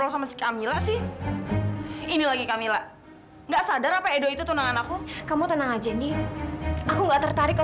sampai jumpa di video selanjutnya